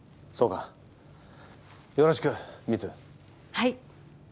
はい。